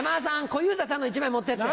小遊三さんの１枚持ってって。